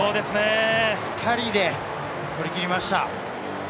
２人で取り切りました。